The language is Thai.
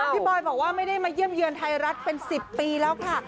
บอยบอกว่าไม่ได้มาเยี่ยมเยือนไทยรัฐเป็น๑๐ปีแล้วค่ะ